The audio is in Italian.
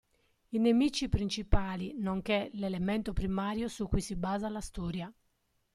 I nemici principali, nonché l'elemento primario su cui si basa la storia.